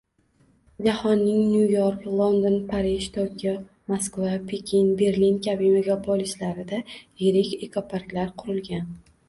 Jahonning Nyu York, London, Parij, Tokio, Moskva, Pekin, Berlin kabi megapolislarida yirik ekoparklar qurilgan